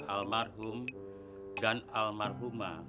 almarhum dan almarhumah